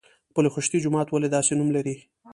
پل خشتي جومات ولې داسې نوم لري؟